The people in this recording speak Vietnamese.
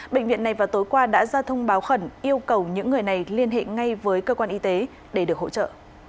bệnh viện này vào tối qua đã ra thông báo khẩn yêu cầu những người này liên hệ ngay với cơ quan y tế để được hỗ trợ